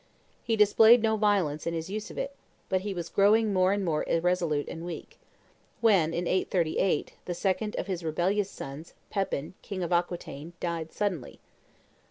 He displayed no violence in his use of it; but he was growing more and more irresolute and weak, when, in 838, the second of his rebellious sons, Pepin, king of Aquitaine, died suddenly.